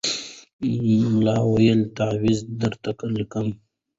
ملا وویل تعویذ درته لیکمه